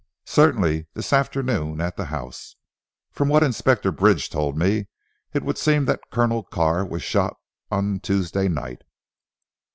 "Certainly! This afternoon at the house. From what Inspector Bridge told me it would seem that Colonel Carr was shot on Tuesday night."